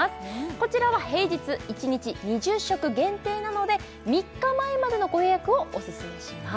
こちらは平日１日２０食限定なので３日前までのご予約をオススメします